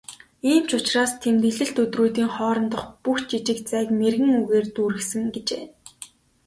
"Ийм ч учраас тэмдэглэлт өдрүүдийн хоорондох бүх жижиг зайг мэргэн үгээр дүүргэсэн" гэжээ.